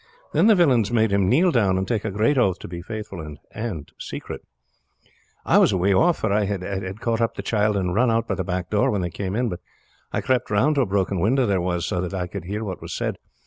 Then the villains made him kneel down and take a great oath to be faithful and secret. "I was away off; for I had caught up the child and run out by the back door when they came in, but I crept round to a broken window there was, so that I could hear what was said.